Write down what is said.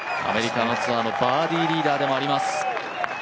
アメリカのツアーのバーディーリーダーでもあります。